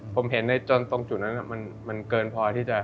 ผมเห็นในจนตรงจุดนั้นมันเกินพอที่จะ